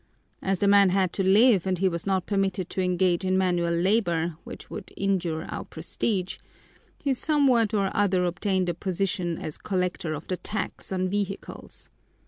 As the man had to live and he was not permitted to engage in manual labor, which would injure our prestige, he somehow or other obtained a position as collector of the tax on vehicles.